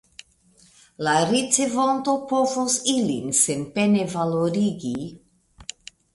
La ricevonto povos ilin senpene valorigi.